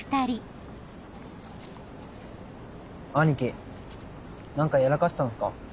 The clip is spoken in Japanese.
兄貴何かやらかしたんすか？